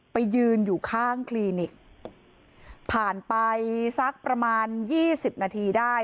ไปยืนอยู่ข้างคลินิกผ่านไปสักประมาณยี่สิบนาทีได้